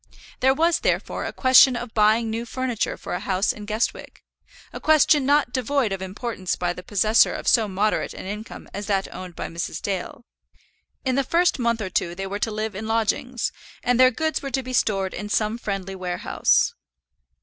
There was, therefore, a question of buying new furniture for a house in Guestwick, a question not devoid of importance to the possessor of so moderate an income as that owned by Mrs. Dale. In the first month or two they were to live in lodgings, and their goods were to be stored in some friendly warehouse.